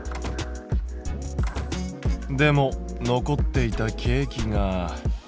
でも残っていたケーキが。